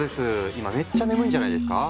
今めっちゃ眠いんじゃないですか？